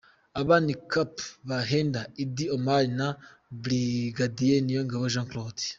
Abo ni Capt Bahenda Iddi Omar na Brigadier Niyongabo Jean Claude.